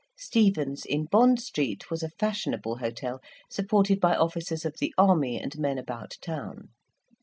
Stephens', in Bond Street, was a fashionable hotel, supported by officers of the army and men about town.